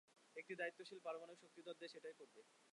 একটি দায়িত্বশীল পারমাণবিক শক্তিধর দেশ এটাই করবে।